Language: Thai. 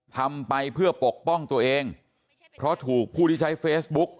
ทำไปเพื่อปกป้องตัวเองเพราะถูกผู้ที่ใช้เฟซบุ๊ก